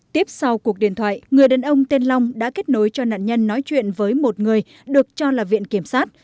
tiếp sau cuộc điện thoại người đàn ông tên long đã kết nối cho nạn nhân nói chuyện với một người được cho là viện kiểm sát